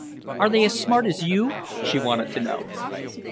"Are they as smart as you?" she wanted to know.